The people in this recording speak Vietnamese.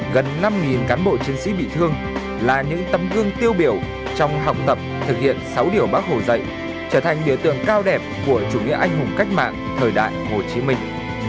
gần năm cán bộ chiến sĩ bị thương là những tấm gương tiêu biểu trong học tập thực hiện sáu điều bác hồ dạy trở thành biểu tượng cao đẹp của chủ nghĩa anh hùng cách mạng thời đại hồ chí minh